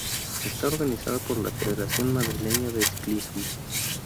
Está organizada por la Federación Madrileña de Ciclismo.